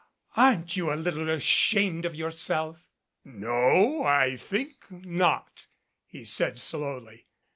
Aren't you a little ashamed of yourself?" "No, I think not," he said slowly.